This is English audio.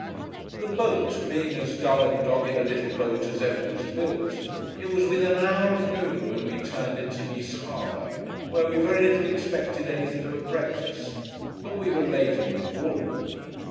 The Boat, being as dull and dogged a little boat as ever was built, it was within an hour of noon when we turned into Nice Harbour, where we very little expected anything but breakfast. But we were laden with wool.